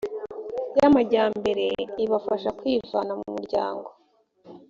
y amajyambere ibafasha kwivana mu muryango